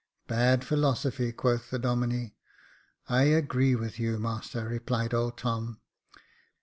" Bad philosophy," quoth the Domine. I agree with you, master," replied old Tom.